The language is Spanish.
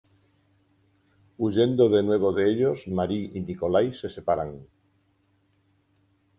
Huyendo de nuevo de ellos, Marie y Nikolai se separan.